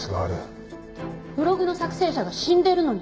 ブログの作成者が死んでるのに？